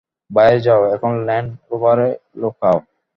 বাইরে যাও এখন ল্যান্ড রোভারে লুকাও!